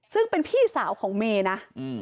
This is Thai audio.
ซึ่งเป็นพี่สาวของเมย์นะ